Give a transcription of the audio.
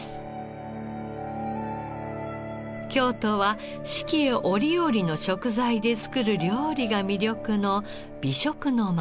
京都は四季折々の食材で作る料理が魅力の美食の町。